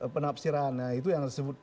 penafsiran itu yang disebut